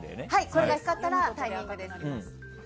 それが光ったらタイミングです。